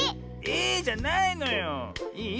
「ええ？」じゃないのよ。いい？